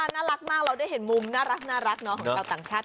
น่ารักมากเราได้เห็นมุมน่ารักของชาวต่างชาติ